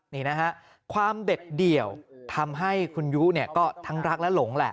นี่นะฮะความเด็ดเดี่ยวทำให้คุณยุเนี่ยก็ทั้งรักและหลงแหละ